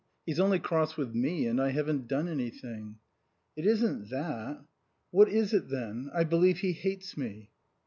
He's only cross with me; and I haven't done anything." "It isn't that." "What is it, then? I believe he hates me."